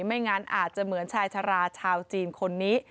ไม่งั้นอาจจะเหมือนชายชะลาชาวจีนคนนี้